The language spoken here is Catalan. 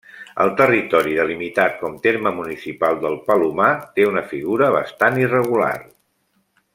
El territori delimitat com terme municipal del Palomar té una figura bastant irregular.